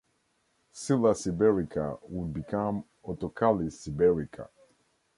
"Scilla siberica" would become "Othocallis siberica".